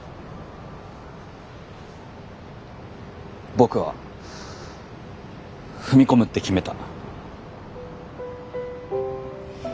僕は踏み込むって決めた。